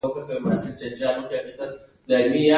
په اوس کې ژوند وکړئ